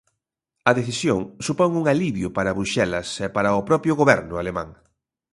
A decisión supón un alivio para Bruxelas e para o propio Goberno alemán.